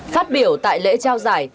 phát biểu tại lễ trao giải